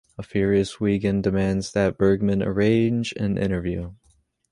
A furious Wigand demands that Bergman arrange an interview.